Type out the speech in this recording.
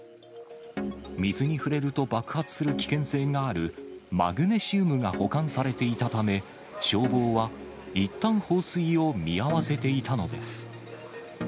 水に触れると爆発する危険性があるマグネシウムが保管されていたため、消防はいったん放水を見合わせていたのです。